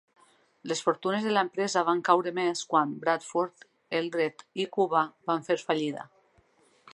Les fortunes de l'empresa van caure més quan Bradford, Eldred i Cuba van fer fallida.